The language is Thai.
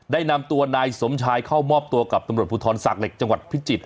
ได้นำตัวนายสมชายเข้ามอบตัวกับตำรวจภูทรศากเหล็กจังหวัดพิจิตร